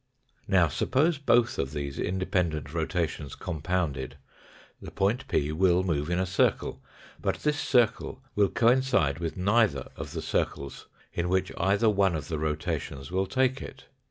Now, suppose both of these independent rotations com pounded, the point p will move in a circle, but this circle will coincide with neither of the circles in which either one of the rotations will take it.